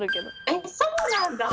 えっそうなんだ！